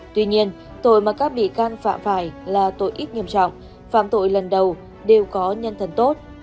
tuy nhiên tội mà các bị can phạm phải là tội ít nghiêm trọng phạm tội lần đầu đều có nhân thần tốt